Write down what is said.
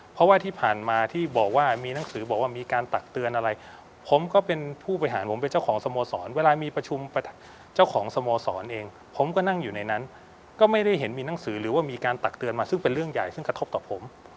เพราะว่าที่ผ่านมาที่บอกว่ามีหนังสือบอกว่ามีการตักเตือนอะไรผมก็เป็นผู้บริหารผมเป็นเจ้าของสโมสรเวลามีประชุมเจ้าของสโมสรเองผมก็นั่งอยู่ในนั้นก็ไม่ได้เห็นมีหนังสือหรือว่ามีการตักเตือนมาซึ่งเป็นเรื่องใหญ่ซึ่งกระทบต่อผม